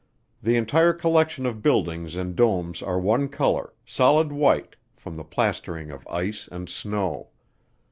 The entire collection of buildings and domes are one color, solid white, from the plastering of ice and snow.